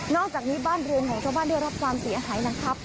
อกจากนี้บ้านเรือนของชาวบ้านได้รับความเสียหายนะครับ